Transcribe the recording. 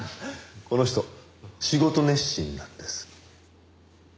この人仕事熱心なんです。